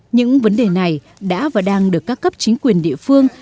những vấn đề này đã và đang được các cấp chính quyền địa phương